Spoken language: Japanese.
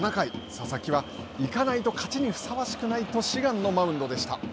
佐々木は行かないと勝ちにふさわしくないと志願のマウンドでした。